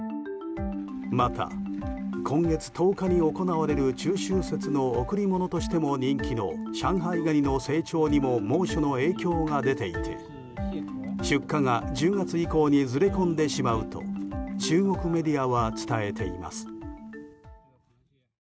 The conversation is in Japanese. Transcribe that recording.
また、今月１０日に行われる中秋節の贈り物としても人気の上海ガニの成長にも猛暑の影響が出ていて出荷が１０月以降にずれ込んでしまうと中国メディアは伝えています。